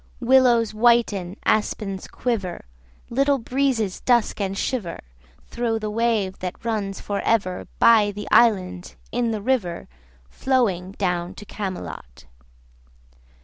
Willows whiten, aspens quiver, 10 Little breezes dusk and shiver Thro' the wave that runs for ever By the island in the river Flowing down to Camelot.